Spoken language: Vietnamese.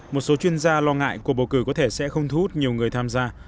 một số chuyên gia lo ngại cuộc bầu cử có thể sẽ không thu hút nhiều người tham gia